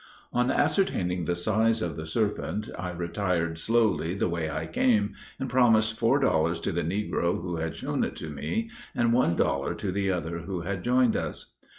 On ascertaining the size of the serpent, I retired slowly the way I came, and promised four dollars to the negro who had shown it to me, and one dollar to the other who had joined us.